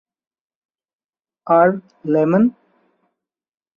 আর, lemon?